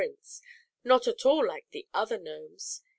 Prince, not at all like the other Gnomes.